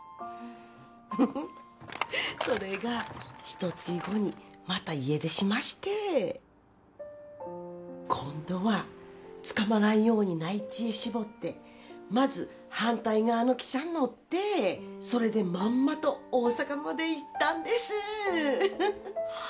ウフフッそれがひと月後にまた家出しまして今度は捕まらんように無い知恵絞ってまず反対側の汽車ん乗ってそれでまんまと大阪まで行ったんですは